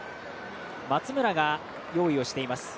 松村が用意をしています。